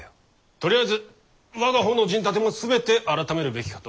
とりあえず我が方の陣立ても全て改めるべきかと。